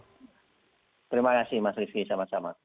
terima kasih mas rizky sama sama